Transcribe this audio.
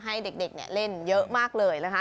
ให้เด็กเล่นเยอะมากเลยนะคะ